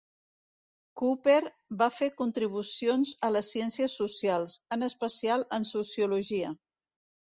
Cooper va fer contribucions a les ciències socials, en especial en sociologia.